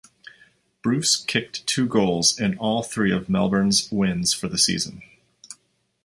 Bruce kicked two goals in all three of Melbourne's wins for the season.